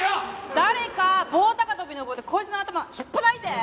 誰か棒高跳びの棒でこいつの頭引っぱたいて！